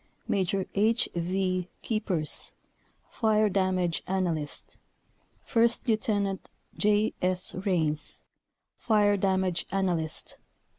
Maj. H. V. Keepers Fire damage analyst. 1st Lt. J. S. Raines Fire damage analyst.